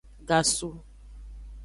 Gasu.